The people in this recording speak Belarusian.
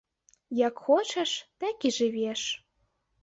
Як хочаш, так і жывеш.